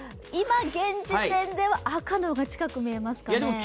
今現時点では赤の方が近く見えますかね？